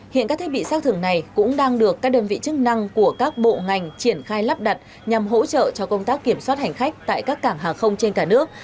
hiện các thiết bị xác thưởng này cũng đang được các đơn vị chức năng của các bộ ngành triển khai lắp đặt nhằm hỗ trợ cho công tác kiểm soát hành khách tại các cảng hàng không trên cả nước